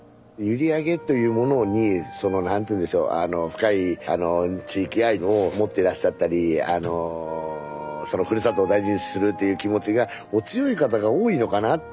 閖上というものにその何ていうんでしょう深い地域愛を持ってらっしゃったりふるさとを大事にするっていう気持ちがお強い方が多いのかな。